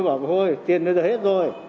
thế là cô ấy bảo thôi tiền bây giờ hết rồi